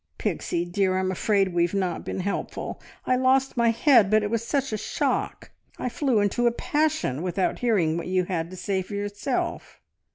"Pixie, dear I'm afraid we've not been helpful. ... I lost my head, but it was such a shock. I flew into a passion without hearing what you had to say for yourself.